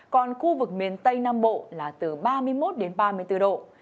còn khu vực miền tây nam bộ là từ ba mươi một đến ba mươi bốn độ